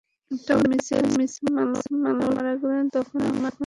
তবে যখন মিসেস মালোত্রা মারা গেল তখন আমার আর সেখানে ভালো লাগছিলো না।